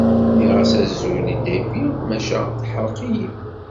Nniɣ-as azul i Debby maca teḥreq-iyi.